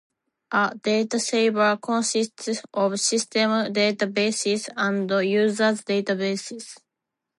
A dataserver consists of system databases and user's databases.